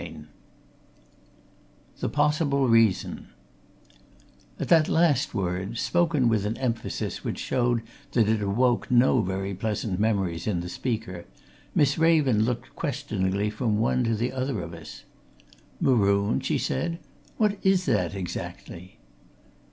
CHAPTER XX THE POSSIBLE REASON At that last word, spoken with an emphasis which showed that it awoke no very pleasant memories in the speaker, Miss Raven looked questioningly from one to the other of us. "Marooned?" she said. "What is that, exactly?"